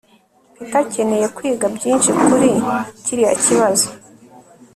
peter akeneye kwiga byinshi kuri kiriya kibazo